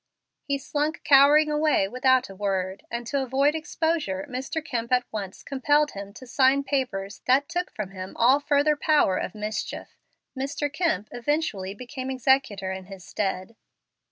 He slunk cowering away without a word, and to avoid exposure Mr. Kemp at once compelled him to sign papers that took from him all further power of mischief. Mr. Kemp eventually became executor in his stead.